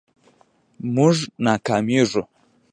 مونږ ناکامیږو